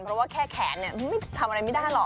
เพราะว่าแค่แขนไม่ทำอะไรไม่ได้หรอก